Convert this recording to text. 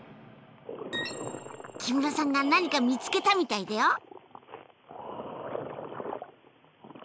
木村さんが何か見つけたみたいだよ。